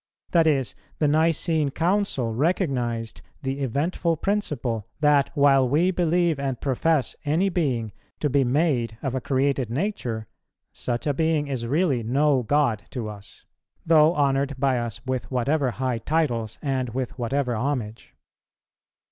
That is, the Nicene Council recognized the eventful principle, that, while we believe and profess any being to be made of a created nature, such a being is really no God to us, though honoured by us with whatever high titles and with whatever homage.